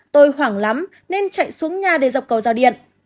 tôi hoảng lắm nên chạy xuống nhà để dọc cầu giao điện